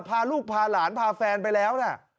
พาลูกพาหลานพาแฟนไปแล้วนะ